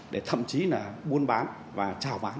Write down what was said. để thậm chí là buôn bán và trào bán